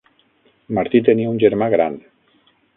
Martí tenia un germà gran.